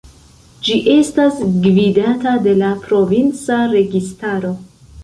Ĝi estas gvidata de la provinca registaro.